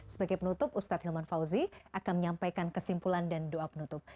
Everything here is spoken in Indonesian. sebagai penutup ustadz hilman fauzi akan menyampaikan kesimpulan dan doa penutup